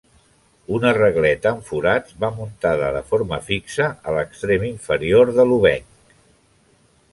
Una regleta amb forats va muntada de forma fixa a l'extrem inferior de l'obenc.